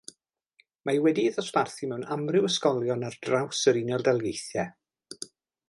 Mae wedi'i ddosbarthu mewn amryw ysgolion ar draws yr Unol Daleithiau.